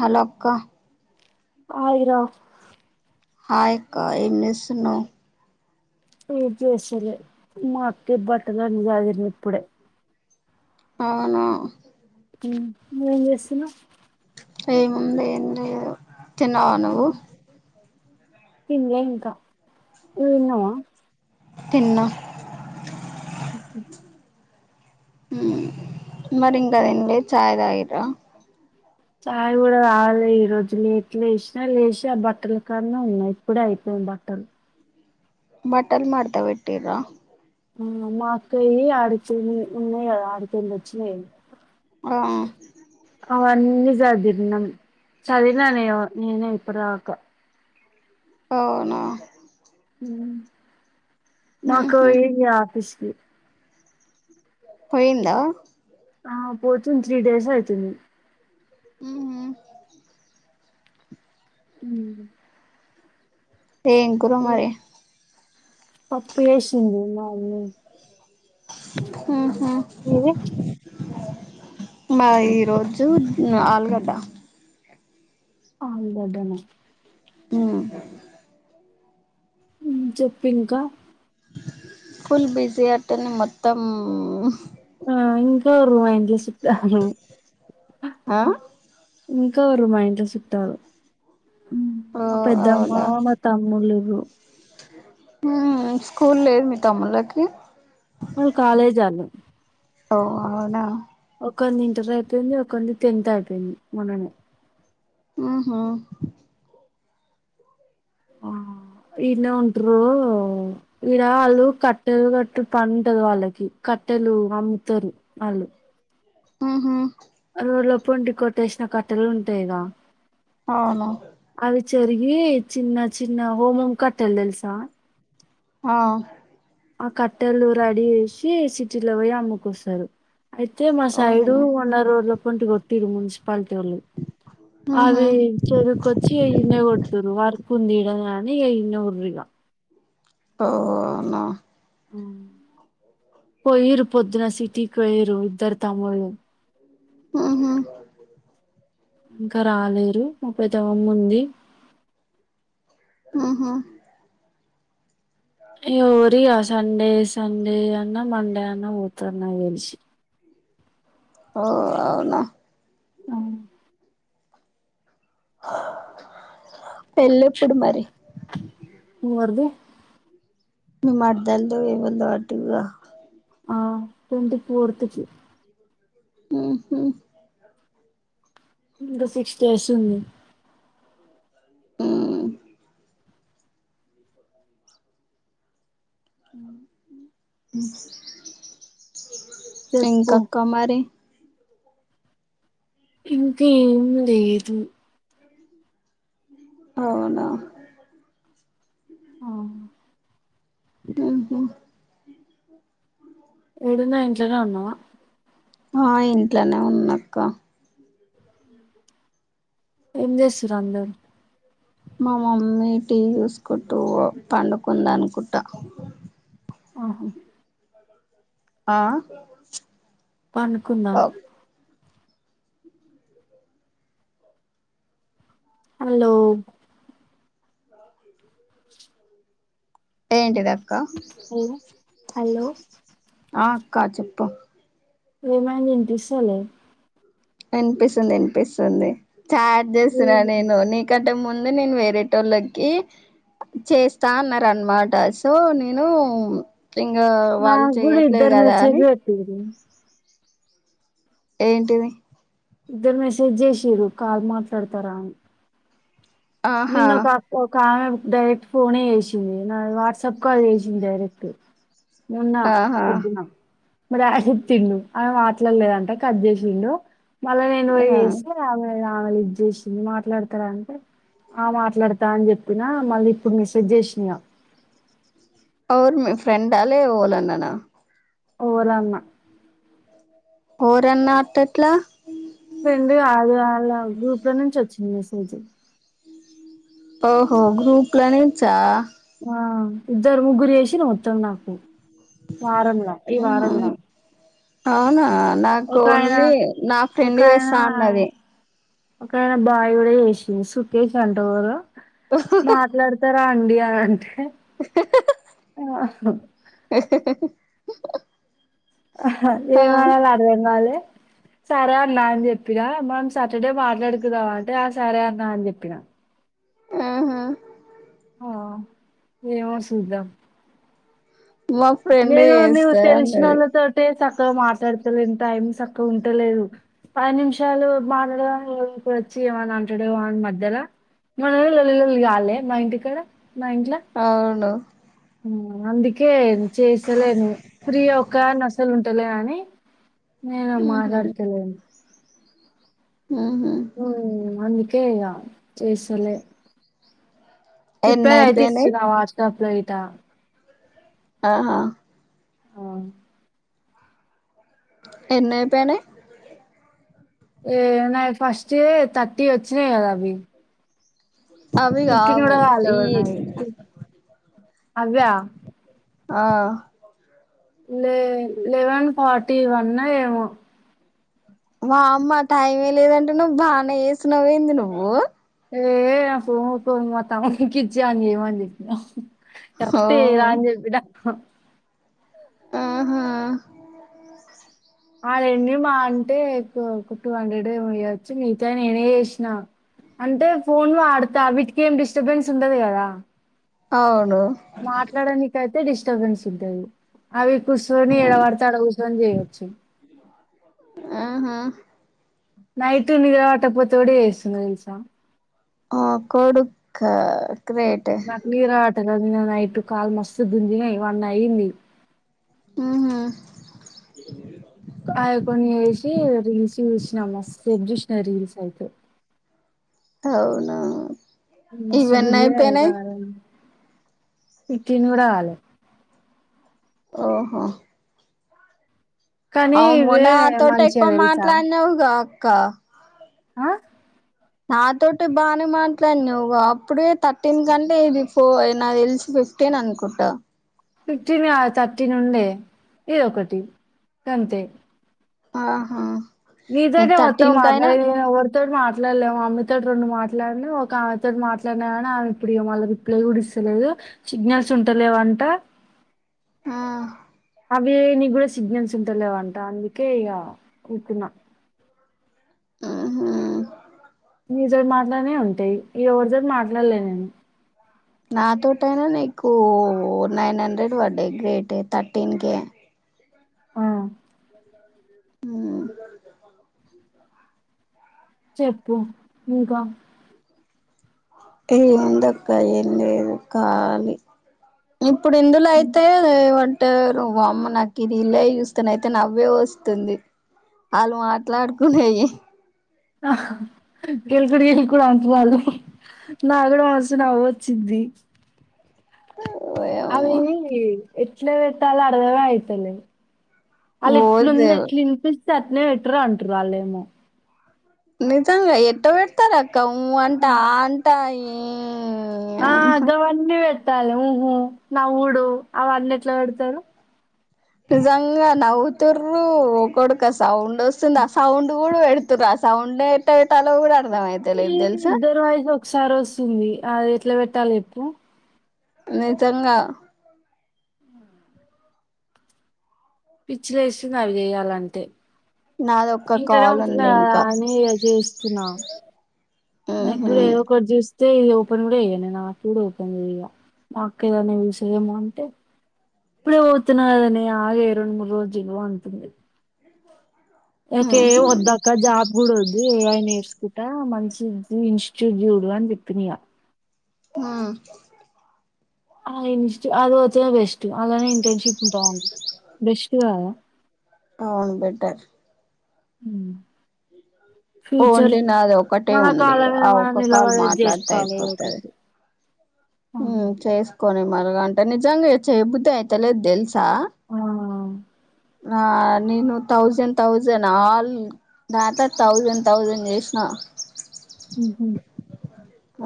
Hello అక్క ఆయ్ రా హాయ్ అక్కా ఏం చేస్తున్నావ్ ఏం చేస్తలే మా అక్కే బట్టగాని సాగింది ఇప్పుడే అవున ఉమ్ నువ్వేం చేస్తున్నావ్ ఏముంది ఏం లేదు తిన్నావ నువ్వు తిన్లె ఇంక నువ్వు తిన్నావ తిన్నా ఉహు హ మరింగ్కాదం చాయి తాగిండ్రా చాయి కూడ తాగలా ఈ రోజు లేట్ లేసినా లేచి ఆ బట్టల కాన్నా ఉన్నా ఇప్పుదె అయిపోయింది కొన్బట్టలు మటల్ మడత పెట్టిర్రా ఆ మా అక్కయి అడుతు ఉన్నాయి అడుతుందచ్చ ఆ అవన్నీ చదిన్నాం చదివినానె నేనె ఇప్పుడు రాక అవున మా అక్క ఉహు ఏరియా ఆఫీస్కిి పోయింద ఆ పోతుంది త్రీ డేస్ అయితుంది ఆహ ఉ టేంకురు మరి పప్పులు ఏసింది నాలని ఊహు మీది మా ఈరోజు ఆలుగడ్డ ఆలుగడ్డన ఉ హు చెప్పు ఇంకా ఫుల్ బిజీ అతను మొత్తం ఆ ఉంటుండ్రు మా ఇంట్లో చుట్టాలు ఆ ఉంటుండ్రు మా ఇంట్లో చుట్టాలు ఓ మా పెద్దమ్మ మా తమ్ముళ్లు ఉ స్కూల్ లేదు మీ తమ్ముళ్ళకి వాళ్లు కాలేజీ వాళ్ళు ఓ అవునా ఒకంది ఇంటర్ అయిపోయింది ఒకంది టెన్త్ అయిపోయింది మొన్ననే ఉ హు ఈన్నే ఉండ్రు ఇడ వాళ్ళు కట్టెలు కట్టే పనుంటది వాళ్ళకి కట్టెలు అమ్ముతుండ్రు వాళ్ళు ఉ హు రోడ్ల పొంట కొట్టేసిన కట్టెలు ఉంటాయి కదా అవును జరిగి చిన్న చిన్న హోమం కట్టాలు తెలుసా ఆ ఆ కట్టెలు రెడీ చేసి సిటీలో పోయి అమ్ముకుంటారు అయితే మా ఓహో సైడు మొన్న రోడ్ల పొంట కొట్టిర్రు మున్సిపాలిటీ వాళ్ళు ఉహు అవి చెరుకుచ్చి ఈన్నే కొడుతుండ్రు వర్క్ ఉంది కదా ఈడ్నే కొడుతుండ్రు ఓ అవునా ఉ పోయిండ్రు పొద్దున సిటీకి పోయిండ్రు ఇద్దరు తమ్ముళ్లు ఉ హు ఇంకా రాలేరు ముప్పై తో ఉంది ఉ హు ఎవరీ సండే సండే అన్న మండే అన్న పోతారు నాకు తెలిసి ఓ అవునా ఉ ఆ పెళ్లి ఎప్పుడు మరి ఎవరిది మీ మరదల్దో ఎవరిదో అంటివి కా ఆ టెన్త్ ఫోర్త్ కి ఉ హు ఇంకా సిక్స్ డేస్ ఉంది ఉ పిట్టల అరుపులు ఇంకా చెప్పు అక్క మరి ఇంకేం లేదు అవునా ఆ అవునా ఏడున్నా ఇంట్లోనే ఉన్నావా ఆ ఇంట్లోనే ఉన్నా అక్క ఏం చేస్తుండ్రు అందరూ మా మమ్మీ టీ చూసుకుంటూ పండుకుందనుకుంటా ఆహ ఆ పనుకుందాం ఓ హలో లాక్లెదు ఏంటిదక్క హలో హలో ఆ అక్క చెప్పు ఏమైన్ వినిపిసాలే వినిపిస్తున్ దినిపిస్తుంది చాట్ చేస్తున్నా లేదు, నేను ముందే నేను వేరే టోల్లకి చేస్తా అన్నా రన్మాట సో నేను ఇంగ వాళ్ళు నాకు కూడా చెయ్యట్లేదు ఇద్దరు గదా మెసేజ్ అని పెట్టిరు ఏంటిది ఇద్దరు మెసేజ్ చేషిర్రు కాల్ మాట్లాడతారా అని ఆహా నిన్నో పాప్ కామె డైరెక్ట్ ఫోనే చేషింది నా వాట్సాప్ కాల్ చేషింది డైరెక్ట్ మున్నా ఆహా పొద్దున రాసిచ్చిండు ఆమె మాట్లాడ్లేదంట కట్ జేషిండు మళ్ళా నేను ఆ ఏసి ఆమె ఆమె లిఫ్ట్ జేషింద్ మాట్లాడతరా అంటే ఆ మాట్లాడతా అని జెప్పినా మళ్ళీ ఇప్పుడు మిసేజ్జేషిన ఎవుర్ మీ ఫ్రెండా లే ఓలన్నానా ఓరన్న ఓరన్న అట్టెట్లా ఫ్రెండు గాదు ఆళ్ళ గ్రూప్ లో నుంచొచ్చింది మెసేజ్ ఓహో గ్రూప్ లో నించా ఆ ఇద్దరు ముగ్గురు జేషిర్ మొత్తం నాకు వారంలా ఇ ఆహా వారంల అవునా నాకోన్లీ నా ఫ్రెండ్ ఒకాయన చేస్తా అన్నది ఒకాయన బావిడే చేషిం సుకేష్ అంట ఎవురో మాట్లాడతా అండి అంటే ఆ ఏమనాలో అర్థంగాలె సరే అన్నా అని జెప్పినా మన్ సాటర్డే మాట్లాడుకుందామ అంటే ఆ సరే అన్నా అని జెప్పినా ఆహా ఆ ఏమో సూద్దాం మా ఫ్రెండ్ నేను నువ్ చేస్తా అన్నది తెలిసినోళ్ళతోటే మాట్లాడతలేని టైం సక్కగుంటలేదు పది నిమిషాలు మాట్లాడ [inaudible] ఇప్పుడొచ్చి ఏవన అంటడేవో అని మధ్యల మన లొల్లి లొల్లి కాలే మా ఇంటి కడ అవును అందుకే చేసలేను ఫ్రీ ఒక నసలు ఉంటలే అనీ నేను మాట్లాడుతలేను ఊహు ఉమ్ అందుకే ఇగ చేసులే ఎన్ని ప్రిపేర్ అయితే అయిపోయినాయి ఇస్తున్నా వాజకప్ లో ఇట ఆ ఆ ఆ ఎన్నీ అయిపోయినయి ఏ నా ఫస్ట్ హే థర్టీ వచ్చినాయి కదా అవి అవి కావు గూడా కాలేవు ఇవి నాయి. హ్మ్. అవ్వా? ఆ లే లెవెన్ ఫార్టీ వన్న ఏమో వా అమ్మా టైం ఏ లేదంటునావ్ బానే చేసినావ్ ఏంది నువ్వు లేదు ఏ ఫోను [unintelligible] మా తమ్ముని కి ఇచ్చి వాని చేయమని చోపినా ఓ కరెక్ట్ చేయరా అని చోపినా ఆహా ఆ లెన్ని మా అంటే ఒక టూ హండ్రెడ్ ఏమో చేయ్యచ్చు మిగతావి నేనే చేసిన అంటే ఫోన్ వాడుతా వీటికి ఏం డిస్టర్బెన్స్ ఉంటది కదా అవ్ మాట్లాడానికయితే డిస్టర్బెన్స్ ఉంటది అవి కుషోని ఎడపడితే ఆడ కూచొని చేయచ్చు ఆహా నైట్ నిద్రపట్టకపోతే కూడా చేయ్యాచు తెలుసా ఆ కొడుక నాకు నిరపట్టలేదు నిన్న నైట్ కాలు మస్తు గుజినాయ్ వన్ అయింది హు హూ ఆయ కొన్ని చేసి రీల్స్ చూసినా మ సస్త్ సేవ్ చూసిన రీల్స్ అయితే అవున మస్తు గంజినయి కాలు ఫిఫ్టీన్ కూడా కాలే ఓహో కానీ అవ్ ఇవే మొనా నాతోటి మంచిగా ఎక్కువ మాట్లాడినవుగా అక్క ఆ నాతోటి బానే మాట్లాడి నావ్ గా అప్పుడే థర్టీన్ కంటే ఇది పో నా తెలిసిపో ఫిఫ్టీన్ అనుకుంట ఫిఫ్టీన్ కాదు థర్టీన్ ఉండే ఇది ఒకటి గంతే ఆహా నీకు నీతోనే మొత్తం థర్టీన్ కయినా మాట్లాడిన ఇంక ఎవరితో తో మాట్లాడలేము అమ్మతో రెండు మాట్లాడినా ఒక ఆమెతోటి మాట్లాడినా కాని ఆమె ఇప్పుడుళ్ళ రిప్లే గుడిస్త స్తలేదు సిగ్నల్స్ ఉంటలేవంట ఆ అవి నీ కూడా సిగ్నల్స్ ఉంట లేవంట అందుకే ఇగా కూర్చునా ఆహా మీ తోటి మాట్లాడినయ్ ఉంటాయి ఎవరితోటి మాట్లాడలే నేను నాతోటయినా నీకు నైన్ హండ్రెడ్ పడ్డాయి గ్రేట్ థర్టీన్ కే అంటే ఆ ఉమ్ చెప్పు ఇంకా ఏ ఉందక్క ఏం లేదు కాలి ఇప్పుడు ఇందులో అయితే బట్ నువ్వు వామ్మో నాకు ఇది ఇల్లే చూస్తున్నయితే నవ్వే వస్తుంది. ఆళ్ళు మాట్లాడుకునేయి ఆ క కుడి వెల్ కుడా అంటారు వాళ్లు నా కూడా మస్తు నవ్వచ్చిది. అవి ఓయమ్మో ఎట్ల పెట్టాల అర్థమే అయితలేదు ఆళ్ళ ఓ ఏట్లుంది దేవుడు ఎట్లా ఇనిపిస్తే అట్లనే పెటరు అంటారు వాళ్ళేమో నిజంగా ఎట్ట పెడతారు అక్క ఊ అంటా ఆ అంటా ఏం ఆ గవన్నీ పెట్టాలి ఉహు నవ్వుడు అవన్నీ ఎట్లా పెడతారు నిజంగా నవ్వుతురు ఒకడుక సౌండ్ వస్తుంది ఆ సౌండ్ సౌండ్ కూడా పెడుతుండ్రు ఆ సౌండే ఎట్ల పెట్టాలో అర్థం అయితలేదు ఈ తెలుసా ఇద్దరు వాయిస్ ఒకసారి వస్తుంది అది ఎట్లా పెట్టాలో చెప్పు నిజంగా పిచ్చి లేస్తుంది అవి చేయాలంటే నాది ఒక్క ఇంట్లనే కాల్ ఉంటున్న ఉంది కదా ఇంకా అని చేస్తున్న నా ఉహు గుడ ఏవో ఒక చే ఇదే ఓపెన్ కూడా చెయలే నేను నాకు కూడా ఓపెన్ చేయగా మా అక్క ఎద్దన సేమ్ అంటే ఇప్పుడే పోతున్న కాదనే ఆగే రెండు మూడు రోజులు అంటుంది ఉహు నాకేం వద్దక్క జాబ్ కూడా వద్దు ఏ ఐ నేర్చుకుంటా మంచి ఇన్స్టిట్యూడు చూడు అని చెప్పినగా ఆ ఇన్స్టూ అది వతే బెస్ట్ అన్లనే ఇంటర్న్షిప్ ఉంటాందండి బెస్ట్ కదా అవును బెటర్ ఉ ఓన్లీ నాది ఒక్కటే ఉంది కాళ్ళ మీద ఆ మనం ఒక్క కాల్ నిలబడేది మాట్లాడితే చేసుకోవాలి ఏదో అయిపోతది ఒకటి ఆహా. చేసుకొని మరగ అంటే నిజంగా చేయ బుద్ధి అయితలేదు తెలుసా ఆ ఆ నేను థౌజండ్ థౌజండ్ ఆల్ దాంట్ల థౌజండ్ థౌజండ్ చేసిన ఉ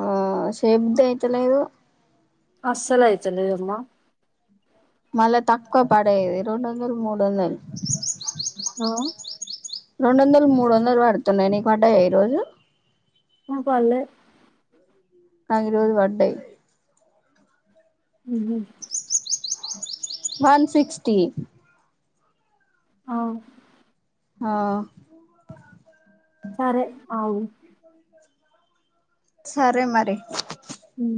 ఆ శయ్య బుద్ధి అయితలేదు అస్సలు అయితలేదమ్మా మళ్ళా తక్కువ పడేది రెండు వందలు మూడు వందలు ఆ, రెండు వందలు మూడు వందలు పడుతున్నాయి నీకు పడ్డాయా ఈ రోజు నాకు పడాలే నాకు ఈరోజు వడై ఉహు వన్ సిక్స్టీ ఆ ఆ సరే అగు సరే మరి ఉం